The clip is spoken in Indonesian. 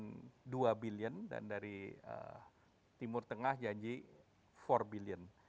dengan dua billion dan dari timur tengah janji for billion